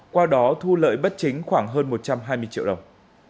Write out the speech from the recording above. qua đó thu lợi bất chính khoảng hơn một trăm hai mươi triệu đồng